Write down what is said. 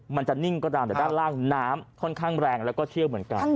มันจะนิ่งก็ตามแต่ด้านล่างน้ำค่อนข้างแรงแล้วก็เชี่ยวเหมือนกัน